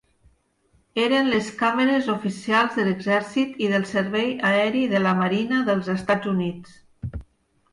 Eren les càmeres oficials de l'Exèrcit i del Servei Aeri de la Marina dels Estats Units.